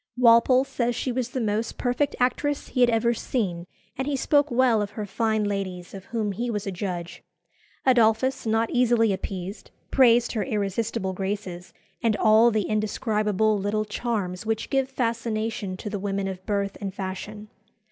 Walpole says she was the most perfect actress he had ever seen; and he spoke well of her fine ladies, of whom he was a judge. Adolphus, not easily appeased, praised her irresistible graces and "all the indescribable little charms which give fascination to the women of birth and fashion."